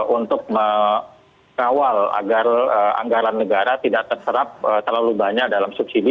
untuk mengawal agar anggaran negara tidak terserap terlalu banyak dalam subsidi